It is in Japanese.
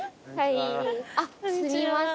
あっすみません。